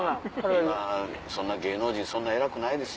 今そんな芸能人そんな偉くないですよ。